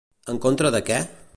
En contra de què?